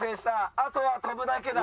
あとは跳ぶだけだ。